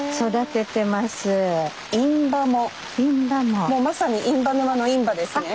もうまさに印旛沼のインバですね？